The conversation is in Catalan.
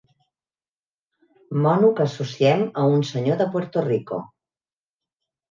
Mono que associem a un senyor de Puerto Rico.